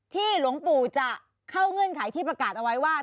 หลวงปู่จะเข้าเงื่อนไขที่ประกาศเอาไว้ว่า